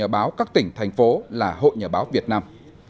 hội nhà báo các tỉnh thành phố là hội nhà báo việt nam